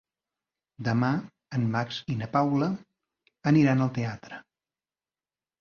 Demà en Max i na Paula aniran al teatre.